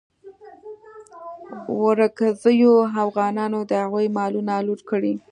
ورکزیو اوغانانو د هغوی مالونه لوټ کړي.